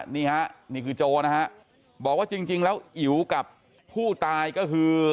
นี่ฮะนี่คือโจนะฮะบอกว่าจริงแล้วอิ๋วกับผู้ตายก็คือ